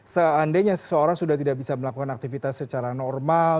seandainya seseorang sudah tidak bisa melakukan aktivitas secara normal